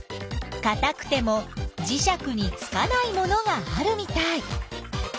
かたくてもじしゃくにつかないものがあるみたい。